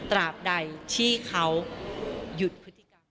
ตราบใดที่เขาหยุดพฤติกรรม